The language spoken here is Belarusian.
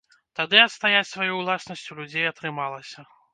Тады адстаяць сваю ўласнасць у людзей атрымалася.